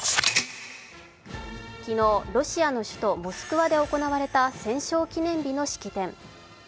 昨日、ロシアの首都モスクワで行われた戦勝記念日の式典。